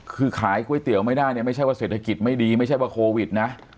คือขายก๋วยเตี๋ยวไม่ได้เนี่ยไม่ใช่ว่าเศรษฐกิจไม่ดีไม่ใช่ว่าโควิดนะ